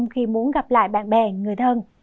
khi muốn gặp lại bạn bè người thân